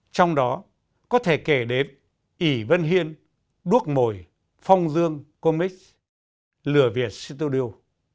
trong đó có thể kể đến ỉ vân hiên đuốc mồi phong dương cô mix lừa việt studio